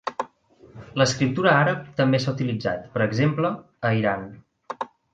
L'escriptura àrab també s'ha utilitzat, per exemple, a Iran.